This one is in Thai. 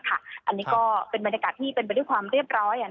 อันนี้ก็เป็นบรรยากาศที่เป็นไปด้วยความเรียบร้อย